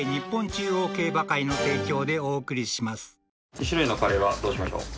２種類のカレーはどうしましょう？